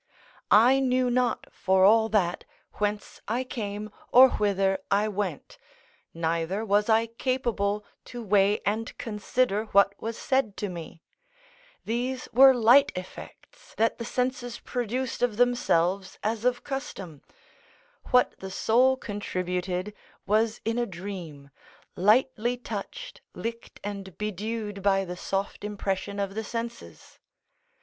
I knew not for all that, whence I came or whither I went, neither was I capable to weigh and consider what was said to me: these were light effects, that the senses produced of themselves as of custom; what the soul contributed was in a dream, lightly touched, licked and bedewed by the soft impression of the senses.